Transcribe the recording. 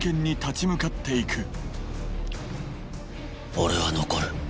俺は残る。